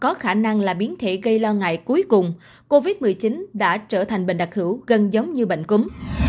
nếu đại dịch là biến thể gây lo ngại cuối cùng covid một mươi chín đã trở thành bệnh đặc hữu gần giống như bệnh cúm